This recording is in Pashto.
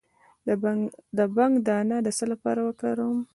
د بنګ دانه د څه لپاره وکاروم؟